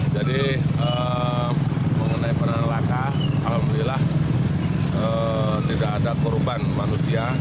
jadi mengenai peran laka alhamdulillah tidak ada korban manusia